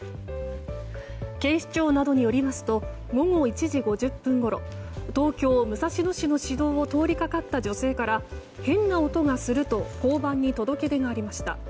警視庁などによりますと午後１時５０分ごろ東京・武蔵野市の市道を通りかかった女性から変な音がすると交番に届け出がありました。